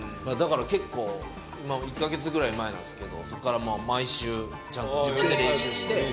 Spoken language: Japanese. だから結構今１か月ぐらい前なんですけどそっから毎週ちゃんと自分で練習して。